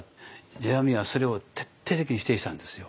世阿弥はそれを徹底的に否定したんですよ。